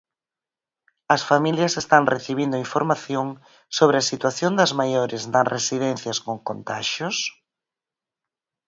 As familias están recibindo información sobre a situación das maiores nas residencias con contaxios?